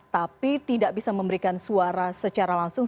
tapi tidak bisa memberikan suara secara langsung